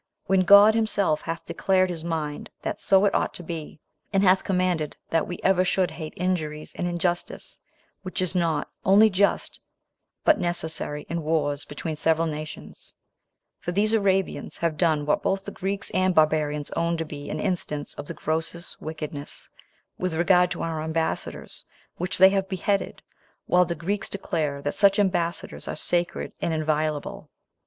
when God himself hath declared his mind that so it ought to be, and hath commanded that we ever should hate injuries and injustice, which is not only just, but necessary, in wars between several nations; for these Arabians have done what both the Greeks and barbarians own to be an instance of the grossest wickedness, with regard to our ambassadors, which they have beheaded, while the Greeks declare that such ambassadors are sacred and inviolable.